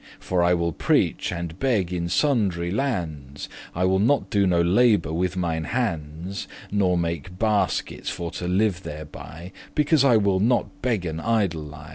For I will preach and beg in sundry lands; I will not do no labour with mine hands, Nor make baskets for to live thereby, Because I will not beggen idlely.